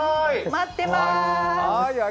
待ってまーす！